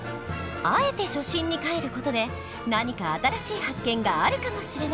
あえて初心にかえる事で何か新しい発見があるかもしれない！